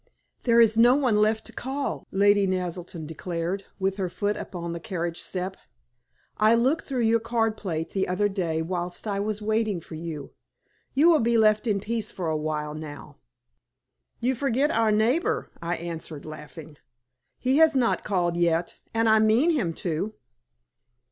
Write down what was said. "There is no one left to call," Lady Naselton declared, with her foot upon the carriage step. "I looked through your card plate the other day whilst I was waiting for you. You will be left in peace for a little while now." "You forget our neighbor," I answered, laughing. "He has not called yet, and I mean him to."